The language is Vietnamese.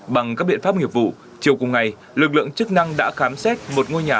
bằng các biện pháp nghiệp vụ chiều cùng ngày lực lượng chức năng đã khám xét một ngôi nhà